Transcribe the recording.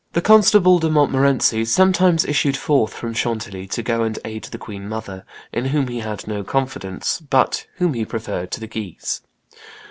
The Constable de Montmorency sometimes issued forth from Chantilly to go and aid the queen mother, in whom he had no confidence, but whom he preferred to the Guises.